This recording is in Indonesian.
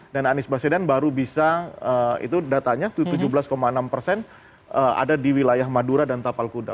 dan anies baswedan baru bisa itu datanya tujuh belas enam persen ada di wilayah madura dan tapal kuda